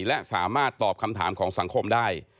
และสามารถตอบคำถามของสังคมได้